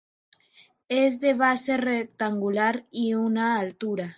Es de base rectangular y una altura.